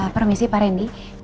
permisi pak rendy